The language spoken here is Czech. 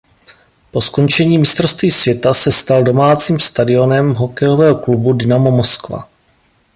Po skončení mistrovství světa se stal domácím stadionem hokejového klubu Dynamo Moskva.